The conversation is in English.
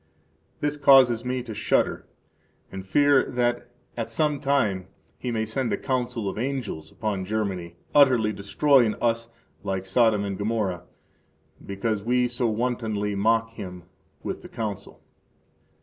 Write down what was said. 11 This causes me to shudder and fear that at some time He may send a council of angels upon Germany utterly destroying us, like Sodom and Gomorrah, because we so wantonly mock Him with the Council.